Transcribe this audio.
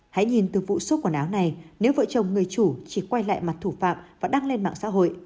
hãy nhìn từ vụ xôp quần áo này nếu vợ chồng người chủ chỉ quay lại mặt thủ phạm và đăng lên mạng xã hội